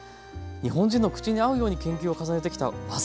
日本人の口に合うように研究を重ねてきた技